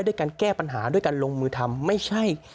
ด้วยการแก้ปัญหาด้วยการลงมือทำไม่ใช่